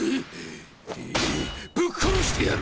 ぶっ殺してやる！